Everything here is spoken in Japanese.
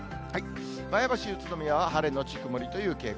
前橋、宇都宮は晴れ後曇りという傾向。